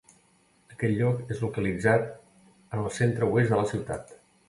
Aquest lloc és localitzat en el centre oest de la ciutat.